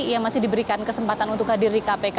ia masih diberikan kesempatan untuk hadir di kpk